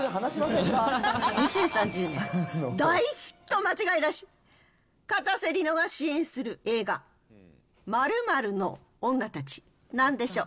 ２０３０年大ヒット間違いなし、かたせ梨乃が主演する映画、〇〇の妻たち、なんでしょう？